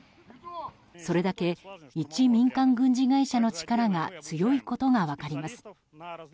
それだけ一民間軍事会社の力が強いことが分かります。